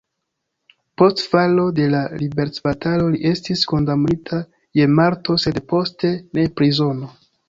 Post falo de la liberecbatalo li estis kondamnita je morto, sed poste je prizono.